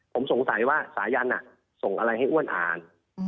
ผมสงสัยว่าสายันส่งอะไรให้อ้วนอ่าน